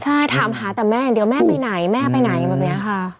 ใช่ถามหาแต่แม่อย่างเดียวแม่ไปไหนแม่ไปไหนแบบนี้ค่ะ